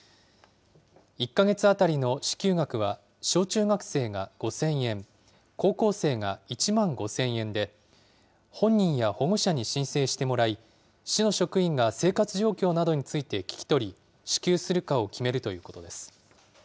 １か月当たりの支給額は、小中学生が５０００円、高校生が１万５０００円で、本人や保護者に申請してもらい、市の職員が生活状況などについて聞き取り、支給するかを決めるということです。